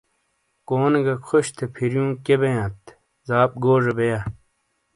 کونے گہ خوش تھے فریوں کیے بیانت زاپ گوزے بیا۔